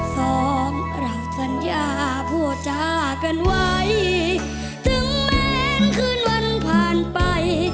สองรับสัญญาพูดจากันไว้ถึงแม้นคืนวันผ่านไป